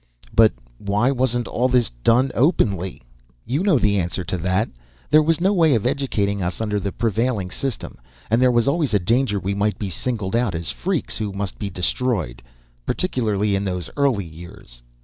"But why wasn't all this done openly?" "You know the answer to that. There was no way of educating us under the prevailing system, and there was always a danger we might be singled out as freaks who must be destroyed particularly in those early years.